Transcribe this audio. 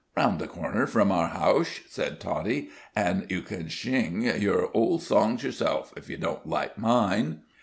"Round the corner from our housh," said Toddie, "an' you can shing your ole shongs yourseff, if you don't like mine."